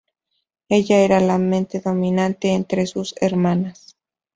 Ella era la mente dominante entre sus hermanas.